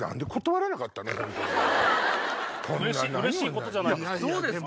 うれしいことじゃないですか。